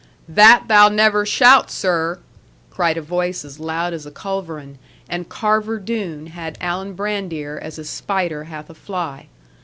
'"That thou never shalt, sir," cried a voice as loud as a culverin; and Carver Doone had Alan Brandir as a spider hath a fly.